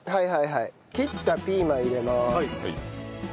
切ったピーマン入れます。